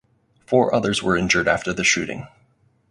Four others were injured after the shooting.